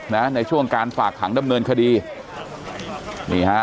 ในช่วงการฝากขังดำเนินคดีนี่ฮะ